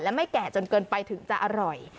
และไม่แก่จนเกินไปถึงจะอร่อย